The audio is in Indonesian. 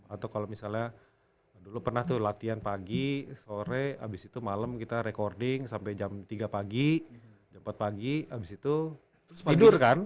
atau kalau misalnya dulu pernah tuh latihan pagi sore abis itu malam kita recording sampai jam tiga pagi jam empat pagi abis itu tidur kan